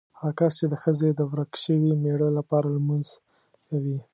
هغه کس چې د ښځې د ورک شوي مېړه لپاره لمونځ کوي.